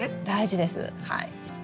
大事ですはい。